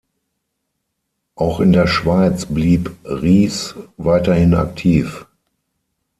Auch in der Schweiz blieb Rihs weiterhin aktiv.